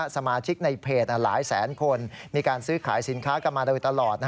สมาชิกในเพจหลายแสนคนมีการซื้อขายสินค้ากันมาโดยตลอด